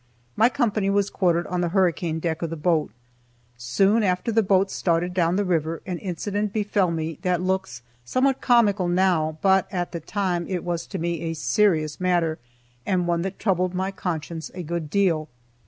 My company was quartered on the hurricane deck of the boat. Soon after the boat started down the river an incident befell me that looks somewhat comical now, but at that time it was to me a serious matter, and one that troubled my conscience a good deal.